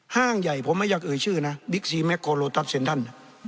ห้างใหญ่ผมไม่อยากเอ่ยชื่อนะบิ๊กซีแมคโคโลตัสเซ็นทัน